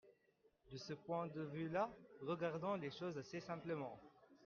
De ce point de vue-là, regardons les choses assez simplement.